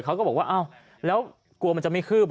เขาก็บอกว่าอ้าวแล้วกลัวมันจะไม่คืบ